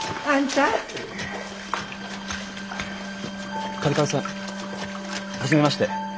嘉手刈さん初めまして。